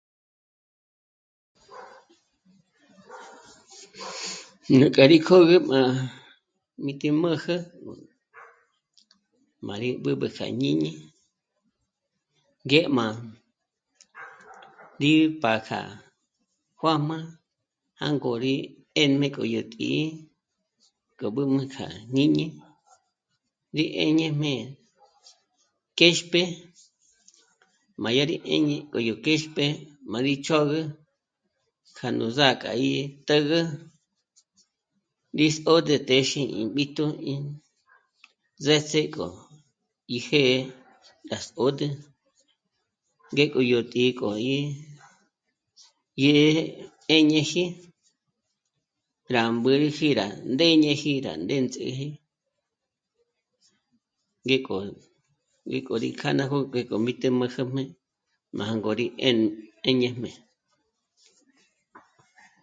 Nuk'a rí kjö̌gü má mìti mä̌jä má rí b'ǚb'ü kja jñíñi ngé má rí pá'a kja juā́jmā jângo rí 'éjme k'o yó tǐ'i k'o b'ǚb'ü kja jñíñi rí 'éñejmé kéxp'e má yá rí 'éñe k'o yó kéxp'e má rí chǒgü kja nú zǎ'a k'a í tǚgü rí s'ôdü téxe ín b'íjtu ín zë̀ts'ëk'o í jé'e gá s'ótü ngék'o yó tǐ'i k'o yí, yë́'ë 'éñeji rá mbǔrüji rá ndéñeji rá ndéndzeji, ngék'o, ngék'o rí kjâ'a ná jó'o, ngék'o mí té'e má jǜjmé má jângo rí 'én... 'éñejmé